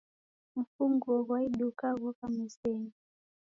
Mfunguo ghwa iduka ghoka mezenyi